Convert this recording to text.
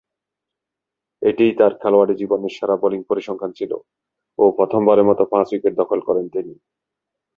এটিই তার খেলোয়াড়ী জীবনের সেরা বোলিং পরিসংখ্যান ছিল ও প্রথমবারের মতো পাঁচ উইকেট দখল করেন তিনি।